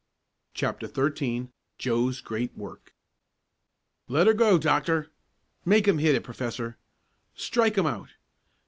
CHAPTER XIII JOE'S GREAT WORK "Let her go, Doctor!" "Make him hit it, Professor!" "Strike him out!"